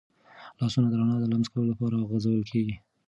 لاسونه د رڼا د لمس کولو لپاره غځول کېږي.